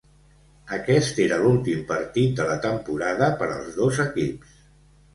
Aquest era l’últim partit de la temporada per als dos equips.